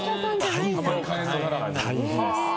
大変です。